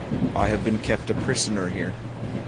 I have been kept a prisoner here.